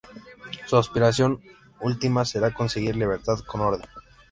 Su aspiración última será conseguir libertad con orden.